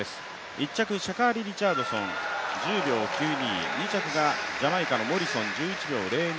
１着シャカリ・リチャードソン１０秒９２２着がジャマイカのモリソン１１秒０２。